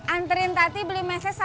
anterin tati beli meses sama keju ya